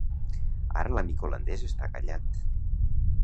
Ara l'amic holandès està callat.